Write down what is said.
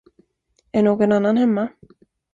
Är någon annan hemma?